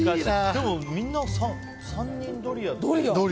でもみんな３人ドリア。